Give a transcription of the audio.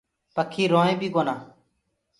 پکي روئينٚ بي ڪونآ۔